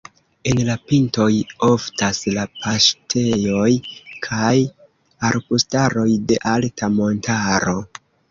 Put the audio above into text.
En la pintoj oftas la paŝtejoj kaj arbustaroj de alta montaro.